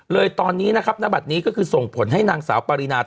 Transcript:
เลยตอนนี้นะครับณบัตรนี้ก็คือส่งผลให้นางสาวปารีนา